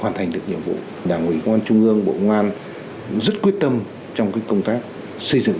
hoàn thành được nhiệm vụ đảng ủy quan trung ương bộ ngoan rất quyết tâm trong cái công tác xây dựng